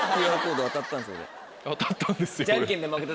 当たったんですよ？